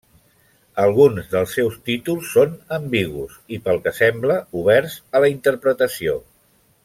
Alguns dels seus títols són ambigus i pel que sembla oberts a la interpretació.